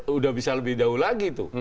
sudah bisa lebih jauh lagi